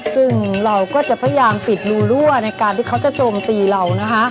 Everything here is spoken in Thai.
ซึ่งเราก็จะพยายามปิดรูรั่วในการที่เขาจะโจมตีเรานะคะ